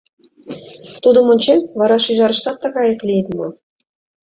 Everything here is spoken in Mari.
Тудым ончен, вара шӱжарыштат тыгаяк лийыт мо?